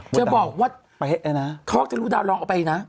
จะบอกว่าเพราะจะลูกดาวน์รอบไปนะ